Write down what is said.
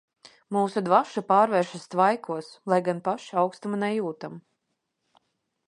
Mūsu dvaša pārvēršas tvaikos, lai gan paši aukstumu nejūtam.